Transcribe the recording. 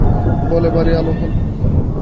বলে, বাড়ি আলো হল!